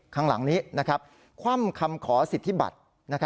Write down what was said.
ข้างหลังนี้คว่ำคำขอสิทธิบัติ